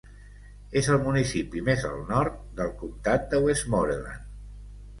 És el municipi més al nord del comtat de Westmoreland.